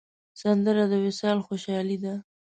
سندره د وصال خوشحالي ده